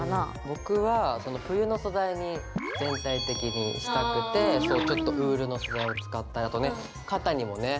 僕は冬の素材に全体的にしたくてちょっとウールの素材を使ったりあと肩にもね。